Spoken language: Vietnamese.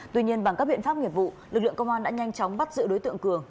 tuy nhiên bằng các biện pháp nghiệp vụ lực lượng công an đã nhanh chóng bắt giữ đối tượng cường